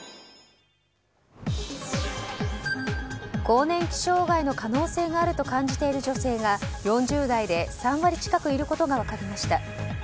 更年期障害の可能性があると感じている女性が４０代で３割近くいることが分かりました。